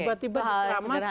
tiba tiba sederhana ya